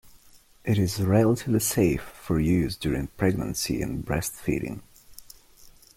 It is relatively safe for use during pregnancy and breastfeeding.